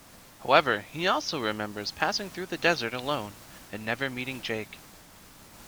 However, he also remembers passing through the desert alone and never meeting Jake.